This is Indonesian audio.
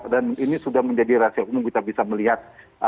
dan ini sudah menjadi rahasia umum kita bisa melihat